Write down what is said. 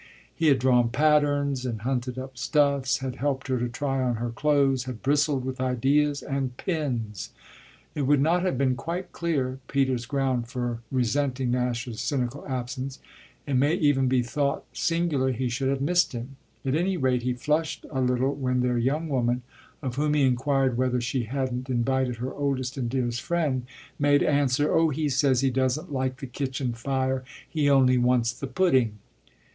He had drawn patterns and hunted up stuffs, had helped her to try on her clothes, had bristled with ideas and pins. It would not have been quite clear, Peter's ground for resenting Nash's cynical absence; it may even be thought singular he should have missed him. At any rate he flushed a little when their young woman, of whom he inquired whether she hadn't invited her oldest and dearest friend, made answer: "Oh he says he doesn't like the kitchen fire he only wants the pudding!"